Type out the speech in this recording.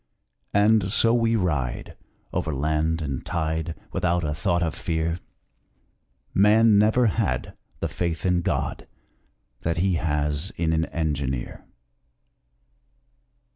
And so we ride Over land and tide, Without a thought of fear _Man never had The faith in God That he has in an engineer!